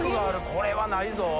これはないぞ」